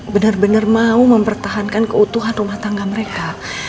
bener bener mau mempertahankan keutuhan rumah tangga mereka